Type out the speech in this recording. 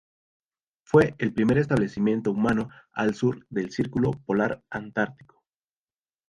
Fue el primer establecimiento humano al sur del Círculo Polar Antártico.